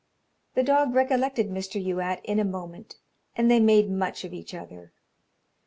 The dog recollected Mr. Youatt in a moment, and they made much of each other.